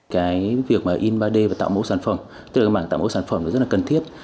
cái việc mà in ba d và tạo mẫu sản phẩm tạo mẫu sản phẩm rất là cần thiết